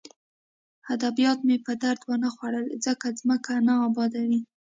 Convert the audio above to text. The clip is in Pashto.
ادبیات مې په درد ونه خوړل ځکه ځمکه نه ابادوي